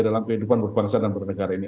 dalam kehidupan berbangsa dan bernegara ini